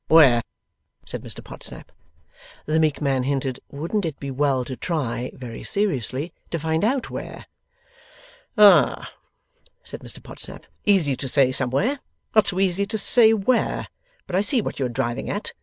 'Where?' said Mr Podsnap. The meek man hinted Wouldn't it be well to try, very seriously, to find out where? 'Ah!' said Mr Podsnap. 'Easy to say somewhere; not so easy to say where! But I see what you are driving at.